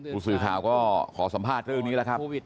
ผู้สื่อข่าวก็ขอสัมภาษณ์เรื่องนี้แล้วครับ